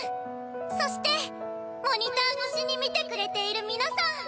「モニター越しに見てくれている皆さん。